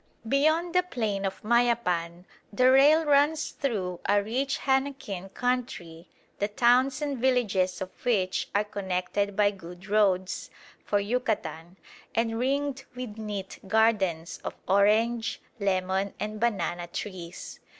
Beyond the plain of Mayapan the rail runs through a rich henequen country, the towns and villages of which are connected by good roads for Yucatan and ringed with neat gardens of orange, lemon, and banana trees.